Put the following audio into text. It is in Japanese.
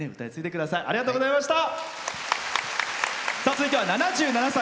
続いては、７７歳。